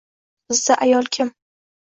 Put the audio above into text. Bizda ayol kim?